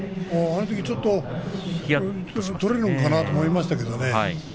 あのときちょっと取れるのかなと思いましたけれどもね。